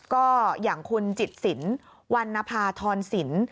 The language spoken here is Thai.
ก็อย่างคุณจิตศิลป์วันนภาทรศิลป์